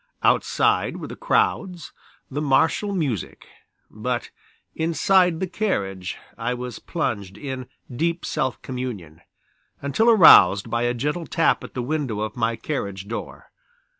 Outside were the crowds, the martial music, but inside the carriage I was plunged in deep self communion, until aroused by a gentle tap at the window of my carriage door.